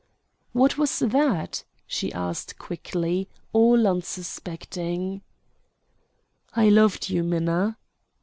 "What was that?" she asked quickly, all unsuspecting. "I loved you, Minna."